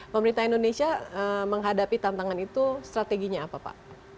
pemerintah indonesia menghadapi tantangan itu strateginya apa pak